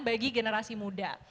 bagi generasi muda